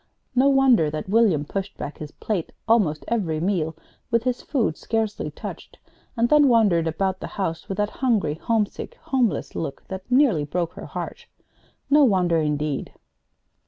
No wonder that William pushed back his plate almost every meal with his food scarcely touched, and then wandered about the house with that hungry, homesick, homeless look that nearly broke her heart. No wonder, indeed!